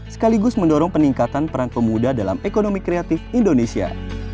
sekaligus mendorong peningkatan peran pemuda dalam ekonomi kreatif indonesia